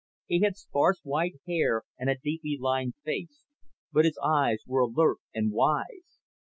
He had sparse white hair and a deeply lined face, but his eyes were alert and wise.